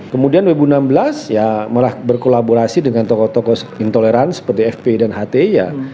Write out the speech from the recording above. kemudian wbu enam belas ya malah berkolaborasi dengan tokoh tokoh intolerans seperti fpi dan hti ya